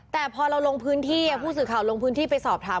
แต่พอเราลงพื้นที่ผู้สื่อข่าวลงพื้นที่ไปสอบถาม